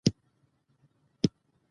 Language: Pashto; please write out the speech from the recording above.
بانکونه د هیواد په مالي ثبات کې مهم دي.